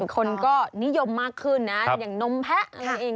คนก็นิยมมากขึ้นนะอย่างนมแพ้นั่นเอง